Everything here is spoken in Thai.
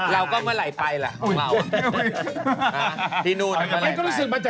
เราจะปรุงกันสด